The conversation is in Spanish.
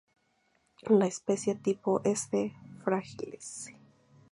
La especie tipo es "D. fragilis".